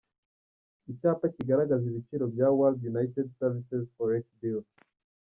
Icyapa kigaragaza ibiciro bya World united services forex bureau.